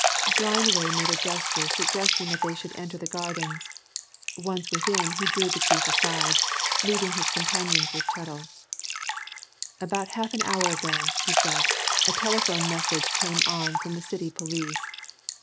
Blindway made a gesture suggesting that they should enter the Gardens; once within he drew the chief aside, leaving his companions with Chettle. "About half an hour ago," he said, "a telephone message came on from the City police.